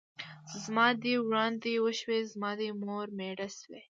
ـ زما دې وړاندې وشوې ، زما دې مور مېړه شوې.